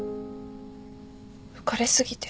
浮かれ過ぎてた。